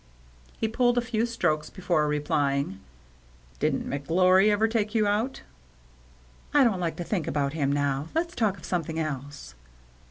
He pulled a few strokes before replying, " Didn't McGlory ever take you out ?" "I don't like to think about him now. Let's talk of something else."